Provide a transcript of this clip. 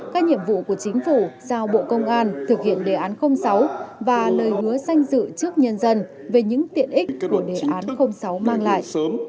các nhiệm vụ của chính phủ giao bộ công an thực hiện đề án sáu và lời hứa sanh dự trước nhân dân về những tiện ích của đề án sáu mang lại